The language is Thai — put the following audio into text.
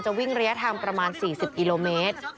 วิ่งระยะทางประมาณ๔๐กิโลเมตร